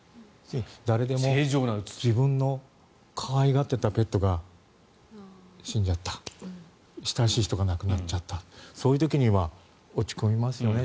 誰でも自分の可愛がっていたペットが死んじゃった親しい人が亡くなっちゃったそういう時は落ち込みますよね。